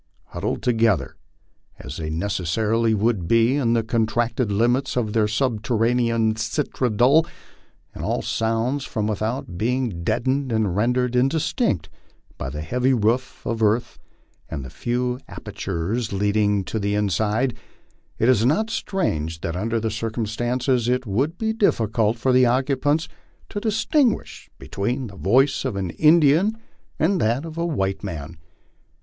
Huddled together, as they necessarily would be, in the contracted limits of their subterranean citadel, and all sounds from without being dead ened and rendered indistinct by the heavy roof of earth and the few apertures leading to the inside, it is not strange that under the circumstances it would be difficult for the occupants to distinguish between the voice of an Indian and that of a white man.